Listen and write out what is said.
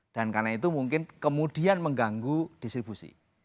karena itu mungkin kemudian mengganggu distribusi